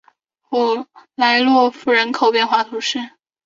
普莱洛夫人口变化图示